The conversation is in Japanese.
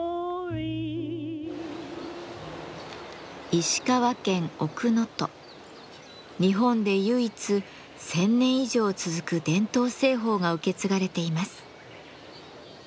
塩鑑賞の小壺は日本で唯一１，０００年以上続く伝統製法が受け継がれています。